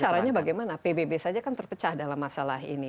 caranya bagaimana pbb saja kan terpecah dalam masalah ini